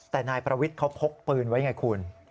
แต่นายประวิทย์เขาพกปืนไว้ไงคุณ